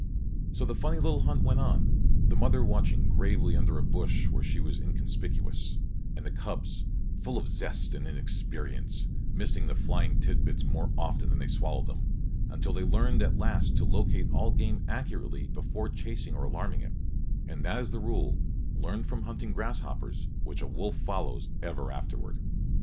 So the funny little hunt went on, the mother watching gravely under a bush where she was inconspicuous, and the cubs, full of zest and inexperience, missing the flying tidbits more often than they swallowed them, until they learned at last to locate all game accurately before chasing or alarming it; and that is the rule, learned from hunting grasshoppers, which a wolf follows ever afterward.